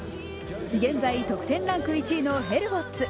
現在、得点ランク１位のヘルボッツ。